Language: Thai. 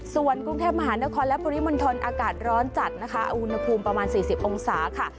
ส่วนกรุงเทพมหานครและปริมณฑลอากาศร้อนจัดนะคะอุณหภูมิประมาณ๔๐องศาค่ะ